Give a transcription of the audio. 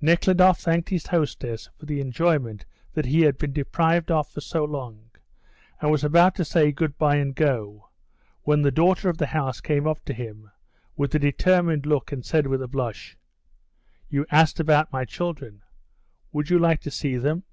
Nekhludoff thanked his hostess for the enjoyment that he had been deprived of for so long, and was about to say goodbye and go when the daughter of the house came up to him with a determined look and said, with a blush, "You asked about my children. Would you like to see them?"